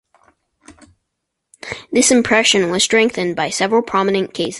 This impression was strengthened by several prominent cases.